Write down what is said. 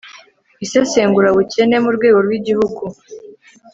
isesengurabukene mu rwego rw'igihugu